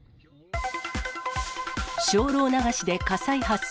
精霊流しで火災発生。